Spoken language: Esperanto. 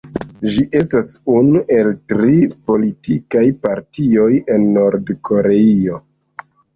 Ĝi estas unu el tri politikaj partioj en Nord-Koreio.